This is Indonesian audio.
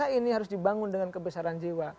karena ini harus dibangun dengan kebesaran jiwa